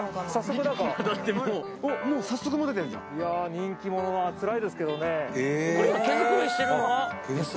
早速なんか人気者はつらいですけどね